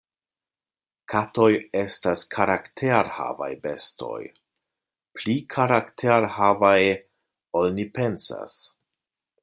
Katoj estas karakterhavaj bestoj, pli karakterhavaj ol ni pensas.